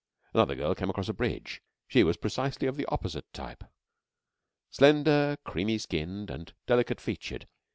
Another girl came across a bridge. She was precisely of the opposite type, slender, creamy skinned, and delicate featured.